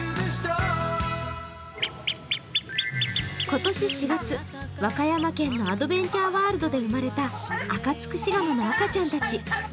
今年４月、和歌山県のアドベンチャーワールドで生まれたアカツクシガモの赤ちゃんたち。